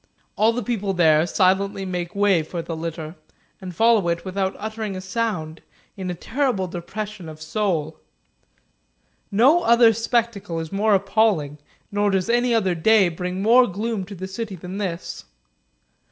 All the people there silently make way for the litter, and follow it without uttering a sound, in a terrible depression of soul. No other spectacle is more appalling, nor does any other day bring more gloom to the city than this.